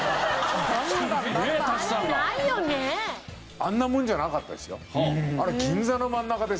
あんなもんじゃなかったですよ。